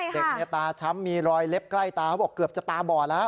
ในตาช้ำมีรอยเล็บใกล้ตาเขาบอกเกือบจะตาบอดแล้ว